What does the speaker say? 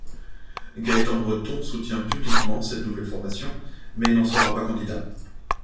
Gaétan Breton soutient publiquement cette nouvelle formation mais n'en sera pas candidat.